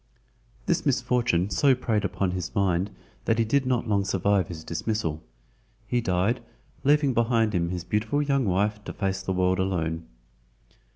This misfortune so preyed upon his mind that he did not long survive his dismissal—he died, leaving behind him his beautiful young wife to face the world alone.